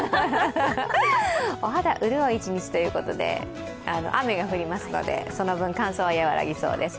お肌潤う一日ということで雨が降りますので、その分、乾燥は和らぎそうです。